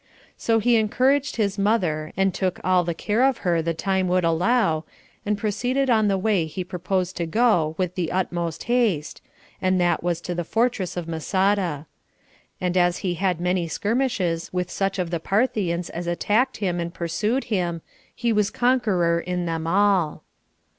So he encouraged his mother, and took all the care of her the time would allow, and proceeded on the way he proposed to go with the utmost haste, and that was to the fortress of Masada. And as he had many skirmishes with such of the Parthians as attacked him and pursued him, he was conqueror in them all.